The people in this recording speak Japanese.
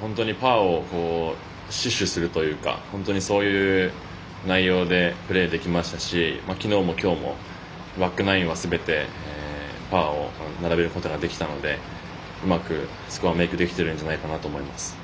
本当にパーを死守するというかそういう内容でプレーできましたし昨日も今日もバックナインはすべてパーを並べることができたのでうまくスコアメークできてるんじゃないかと思います。